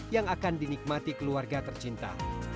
yang akan dinikmati keluarga tercinta